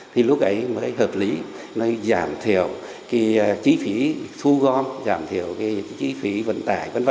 thì lúc ấy mới hợp lý nó giảm thiểu cái chi phí thu gom giảm thiểu cái chi phí vận tải v v